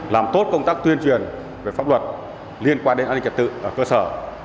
làm tốt công tác tuyên truyền về pháp luật liên quan đến an ninh trật tự ở cơ sở